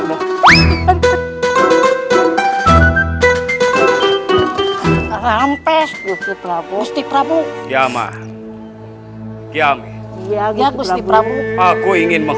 ah ini pening